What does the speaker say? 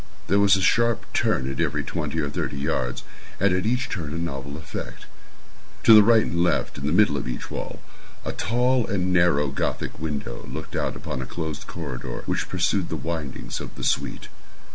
There was a sharp turn at every twenty or thirty yards, and at each turn a novel effect. To the right and left, in the middle of each wall, a tall and narrow Gothic window looked out upon a closed corridor which pursued the windings of the suite.